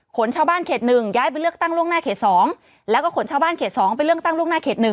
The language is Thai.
ชาวบ้านเขต๑ย้ายไปเลือกตั้งล่วงหน้าเขต๒แล้วก็ขนชาวบ้านเขต๒ไปเลือกตั้งล่วงหน้าเขต๑